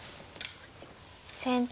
先手